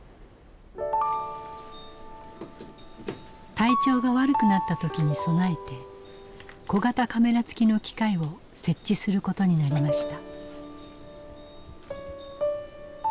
体調が悪くなった時に備えて小型カメラ付きの機械を設置することになりました。